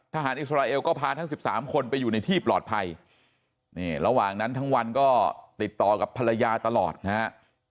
อิสราเอลก็พาทั้ง๑๓คนไปอยู่ในที่ปลอดภัยนี่ระหว่างนั้นทั้งวันก็ติดต่อกับภรรยาตลอดนะฮะ